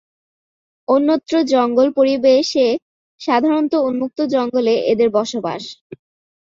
অন্যত্র জঙ্গল পরিবেশে, সাধারনত উন্মুক্ত জঙ্গলে এদের বসবাস।